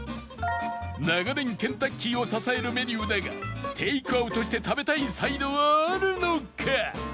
長年ケンタッキーを支えるメニューだがテイクアウトして食べたいサイドはあるのか？